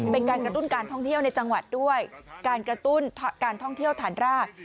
เป็นการกระตุ้นการท่องเที่ยวในจังหวัดด้วยการกระตุ้นการท่องเที่ยวฐานราก